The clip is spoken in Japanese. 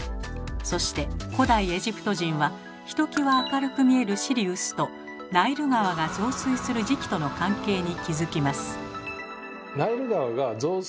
そして古代エジプト人はひときわ明るく見えるシリウスとナイル川が増水する時期との関係に気付きます。